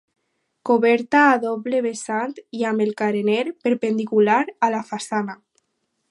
Coberta a doble vessant i amb el carener perpendicular a la façana.